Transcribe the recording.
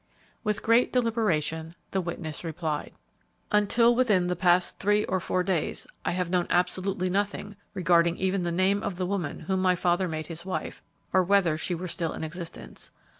With great deliberation, the witness replied, "Until within the past three or four days, I have known absolutely nothing regarding even the name of the woman whom my father made his wife, or whether she were still in existence.